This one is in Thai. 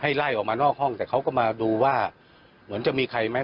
ไล่ออกมานอกห้องแต่เขาก็มาดูว่าเหมือนจะมีใครไหม